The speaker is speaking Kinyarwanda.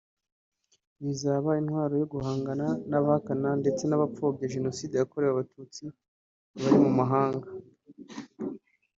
bizaba intwaro yo guhangana n’abahakana ndetse n’abapfobya Jenoside yakorewe Abatutsi bari mu mahanga